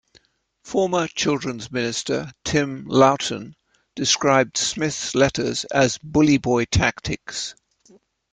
Former children's minister Tim Loughton described Smith's letters as "bully-boy tactics".